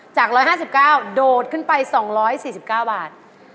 จาก๑๕๙โดดขึ้นไป๒๔๙บาท